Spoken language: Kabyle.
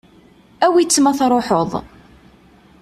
Awi-tt ma truḥeḍ.